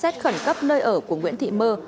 xét khẩn cấp nơi ở của nguyễn thị mơ